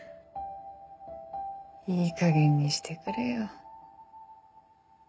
いいかげんにしてくれよ。